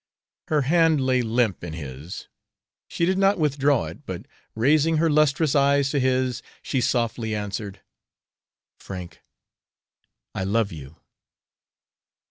Her hand lay limp in his. She did not withdraw it, but, raising her lustrous eyes to his, she softly answered: "Frank, I love you."